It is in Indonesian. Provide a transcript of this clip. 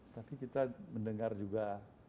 tapi kita mendengar juga